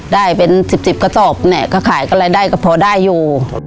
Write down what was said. ได้เป็น๑๐๑๐กระสอบเนี่ยก็ขายก็รายได้ก็พอได้อยู่